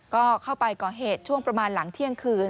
ก็เข้าไปก่อเหตุช่วงประมาณหลังเที่ยงคืน